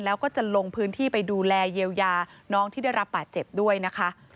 แล้วก็จะลงพื้นที่ไปดูแลเยียวยาน้องที่ได้รับบาดเจ็บด้วยนะคะ